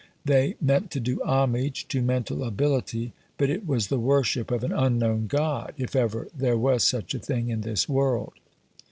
They meant to do homage to mental ability, but it was the worship of an unknown God if ever there was such a thing in this world.